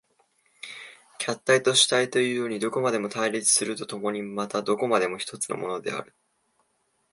客体と主体というようにどこまでも対立すると共にまたどこまでも一つのものである。